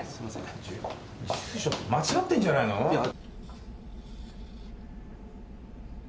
住所間違ってんじゃないの？いや。